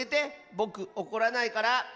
ぼくおこらないから。